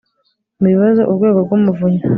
mu bibazo urwego rw umuvunyi